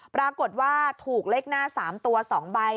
ปรากฏว่าถูกเลขหน้า๓ตัว๒ใบ